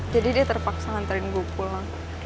jadi dia terpaksa nganterin gue pulang